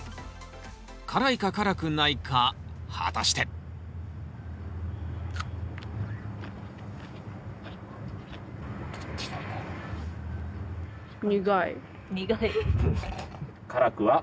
辛いか辛くないか果たして苦い？